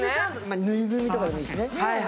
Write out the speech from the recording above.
ぬいぐるみとかでもいいですね。